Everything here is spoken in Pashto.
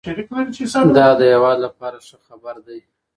دا د هېواد لپاره ښه خبر دی